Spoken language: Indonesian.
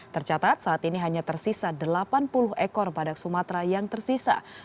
tercatat saat ini hanya tersisa delapan puluh ekor badak sumatera yang tersisa